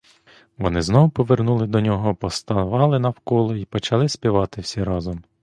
Вони знову повернули до нього, поставали навколо й почали співати всі разом.